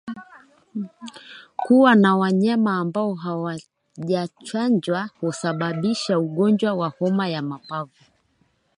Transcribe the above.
Kuwa na wanyama ambao hawajachanjwa husababisha ugonjwa wa homa ya mapafu